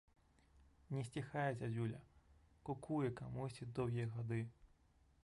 Не сціхае зязюля, кукуе камусьці доўгія гады.